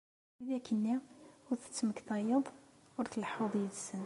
Widak-nni ur d-tettmektayeḍ, ur d-tlehhuḍ yid-sen.